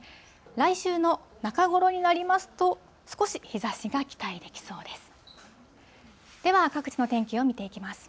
来週の中頃になりますと、少し日ざしが期待できそうです。